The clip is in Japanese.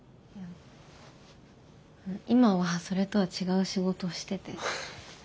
今はそれとは違う仕事してて。